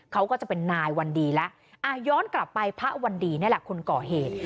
เขาก็จะเป็นนายวันดีแล้วย้อนกลับไปพระวันดีนี่แหละคนก่อเหตุ